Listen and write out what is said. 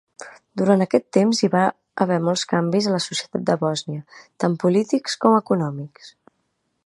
Durant aquest temps, hi va haver molts canvis a la societat de Bòsnia, tant polítics com econòmics.